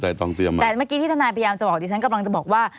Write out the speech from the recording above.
แต่เมื่อกี้ที่ทนายพยายามจะบอกดิฉันกำลังจะบอกว่า